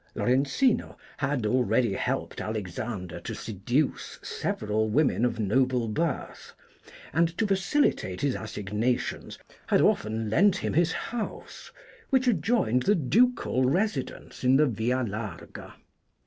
... Lorenzino had already helped Alexander to seduce several women of noble birth ; and to facilitate his assignations had often lent him his house, which adjoined the ducal residence in the Via Larga.